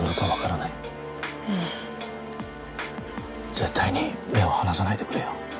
絶対に目を離さないでくれよ。